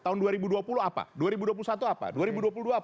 tahun dua ribu dua puluh apa